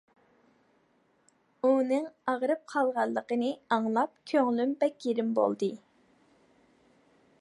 ئۇنىڭ ئاغرىپ قالغانلىقىنى ئاڭلاپ كۆڭلۈم بەك يېرىم بولدى.